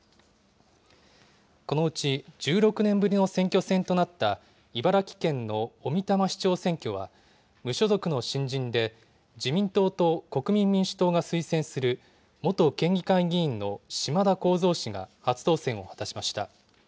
このうち１６年ぶりの選挙戦となった茨城県の小美玉市長選挙は、無所属の新人で自民党と国民民主党が推薦する、元県議会議員の島田幸三氏が初当選を果たしました。